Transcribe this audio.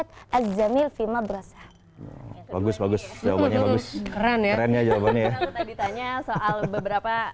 kalau tadi tanya soal beberapa